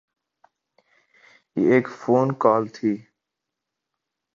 یہ ایک phone call تھی۔